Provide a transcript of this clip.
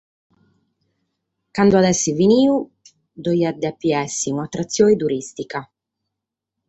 Cando at a èssere finidu, diat dèpere èssere un’atratzione turìstica.